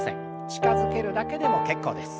近づけるだけでも結構です。